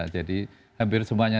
jadi hampir semuanya